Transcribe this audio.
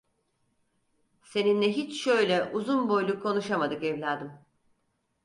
Seninle hiç şöyle uzun boylu konuşamadık evladım.